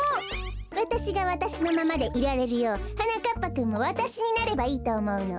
わたしがわたしのままでいられるようはなかっぱくんもわたしになればいいとおもうの。